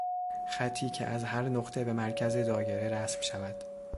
خطی که از هر نقطه به مرکز دایره رسم شود